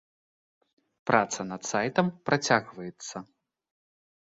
Праца над сайтам працягваецца.